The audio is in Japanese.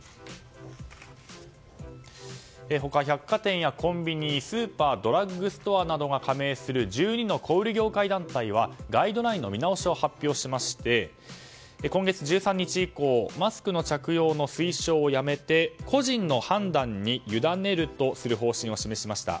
他、百貨店やコンビニ、スーパードラッグストアなどが加盟する１２の小売業界団体はガイドラインの見直しを発表しまして今月１３日以降マスク着用の推奨をやめて個人の判断に委ねるとする方針を示しました。